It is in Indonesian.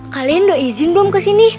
kalian udah izin belum kesini